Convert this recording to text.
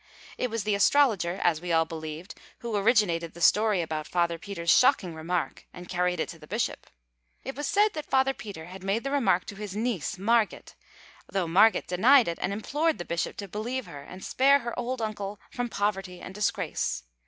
It was the astrologer, as we all believed, who originated the story about Father Peter’s shocking remark and carried it to the bishop. It was said that Father Peter had made the remark to his niece, Marget, though Marget denied it and implored the bishop to believe her and spare her old uncle from poverty and disgrace.